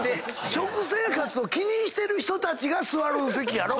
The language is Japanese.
食生活を気にしてる人たちが座る席やろ？